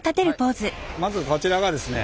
まずこちらがですね